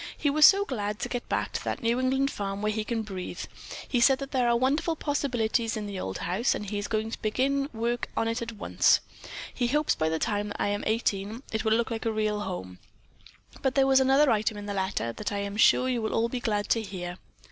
He was so glad to get back to that New England farm where he can breathe. He said that there are wonderful possibilities in the old house and that he is going to begin work on it at once. He hopes that by the time I am eighteen, it will look like a real home; but there was another item in the letter that I am sure you will all be glad to hear.